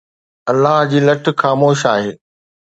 الله جي لٺ خاموش آهي.